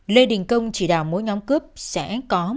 lê đình công chỉ đào mỗi nhóm cướp sẽ có một